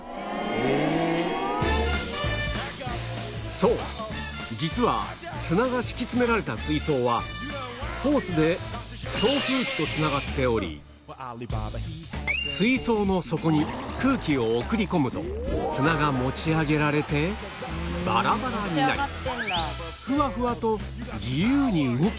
そう実は砂が敷き詰められた水槽はホースで送風機と繋がっており水槽の底に空気を送り込むと砂が持ち上げられてバラバラになりふわふわと自由に動けるように